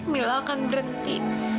mila akan berhenti